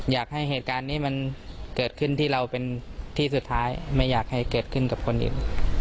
อยากให้เหตุการณ์นี้มันเกิดขึ้นที่เราเป็นที่สุดท้ายไม่อยากให้เกิดขึ้นกับคนอื่น